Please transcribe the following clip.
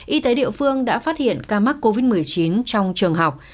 y tế địa phương đã phát hiện ca mắc covid một mươi chín trong trường học